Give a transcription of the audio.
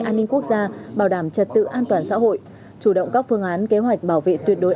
an ninh quốc gia bảo đảm trật tự an toàn xã hội chủ động các phương án kế hoạch bảo vệ tuyệt đối